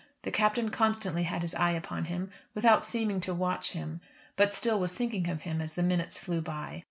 The Captain constantly had his eye upon him without seeming to watch him, but still was thinking of him as the minutes flew by.